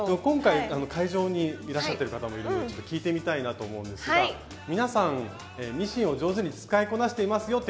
今回会場にいらっしゃってる方もいろいろ聞いてみたいなと思うんですが皆さんミシンを上手に使いこなしています